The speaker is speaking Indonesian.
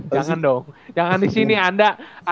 jangan dong jangan disini anda